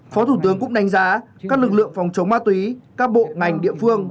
phó thủ tướng cũng đánh giá các lực lượng phòng chống ma túy các bộ ngành địa phương